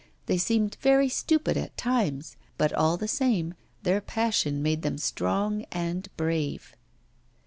They seemed very stupid at times, but, all the same, their passion made them strong and brave.